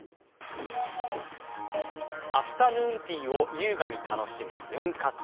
アフタヌーンティーを優雅に楽しむヌン活。